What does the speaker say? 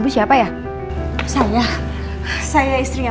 soalnya omanya lagi pergi ya